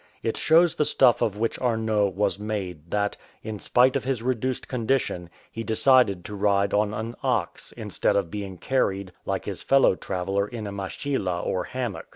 It shows the stuff of which Arnot was made that, in spite of his reduced condition, he decided to ride on an ox, instead of beine: carried like his fellow traveller in a machila or hammock.